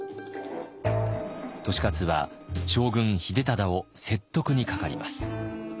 利勝は将軍秀忠を説得にかかります。